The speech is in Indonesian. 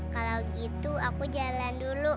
kalau gitu aku jalan dulu